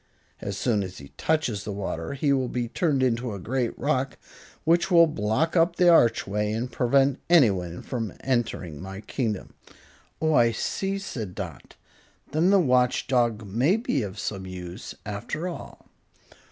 As soon as he touches the water he will be turned into a great rock, which will block up the archway and prevent anyone from entering my kingdom." "Oh, I see," said Dot. "Then the Watch Dog may be of some use, after all."